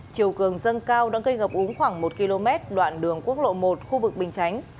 chiều cường sơn cao đã gây gặp ống khoảng một km đoạn đường quốc lộ một khu vực bình chánh